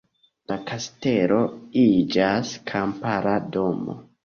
La kastelo iĝas kampara domo.